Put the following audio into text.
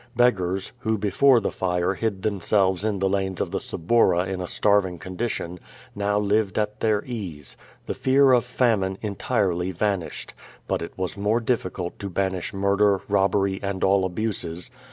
Beggars, who, before the fire hid themselves in the lanes of the Suburra in a starving condition, now lived at their ease. The fear of famine entirely vanished. But it was more diflTicult to banish murder, robbery and all abuses.